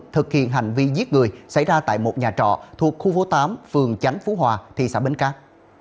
thực hiện hành vi giết người xảy ra tại một nhà trọ thuộc khu phố tám phường chánh phú hòa thị xã bến cát